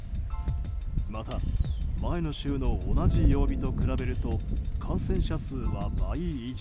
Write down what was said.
また、前の週の同じ曜日と比べると感染者数は倍以上。